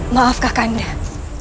maaf kak kandah